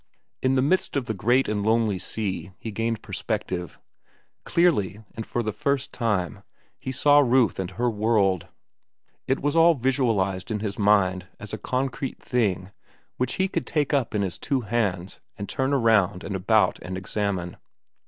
In the midst of the great and lonely sea he gained perspective. Clearly, and for the first time, he saw Ruth and her world. It was all visualized in his mind as a concrete thing which he could take up in his two hands and turn around and about and examine.